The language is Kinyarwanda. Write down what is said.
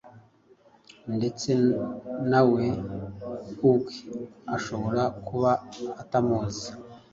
ndetse na we ubwe ashobora kuba atamuzi.